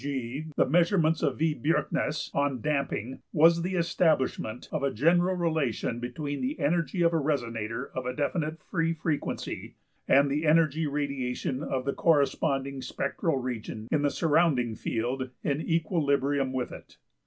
~g. the measurements of V.~Bjerknes(3) on damping, was the establishment of a general relation between the energy of a resonator of a definite free frequency and the energy radiation of the corresponding spectral region in the surrounding field in equilibrium with it(4).